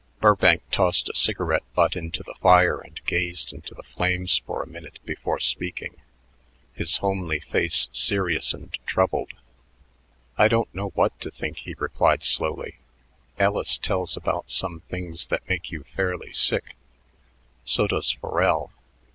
Burbank tossed a cigarette butt into the fire and gazed into the flames for a minute before speaking, his homely face serious and troubled. "I don't know what to think," he replied slowly. "Ellis tells about some things that make you fairly sick. So does Forel.